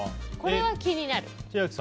これは気になる。